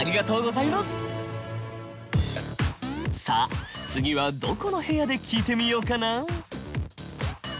さあ次はどこの部屋で聞いてみようかな。